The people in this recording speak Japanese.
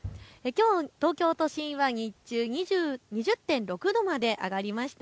東京都心は日中２０．６度まで上がりました。